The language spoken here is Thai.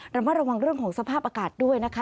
ระมัดระวังเรื่องของสภาพอากาศด้วยนะคะ